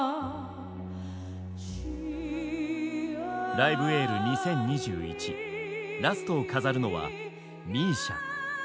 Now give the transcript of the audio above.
「ライブ・エール２０２１」ラストを飾るのはＭＩＳＩＡ。